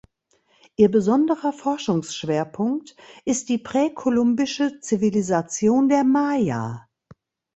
Ihr besonderer Forschungsschwerpunkt ist die präkolumbische Zivilisation der Maya.